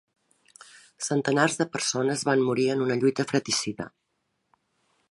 Centenars de persones van morir en una lluita fratricida.